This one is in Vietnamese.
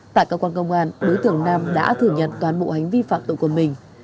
tại cơ quan công an đối tượng nam đã thừa nhận toàn bộ hành vi phạm tội của mình